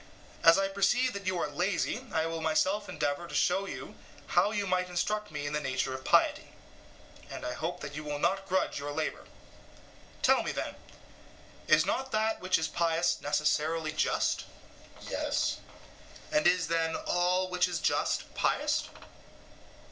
As I perceive that you are lazy, I will myself endeavour to show you how you might instruct me in the nature of piety; and I hope that you will not grudge your labour. Tell me, then Is not that which is pious necessarily just? EUTHYPHRO: Yes. SOCRATES: And is, then, all which is just pious?